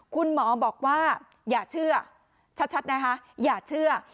คุณหมอบอกว่าอย่าเชื่อชัดนะคะอย่าเชื่อ